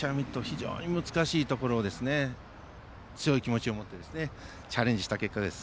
非常に難しいところを強い気持ちを持ってチャレンジした結果です。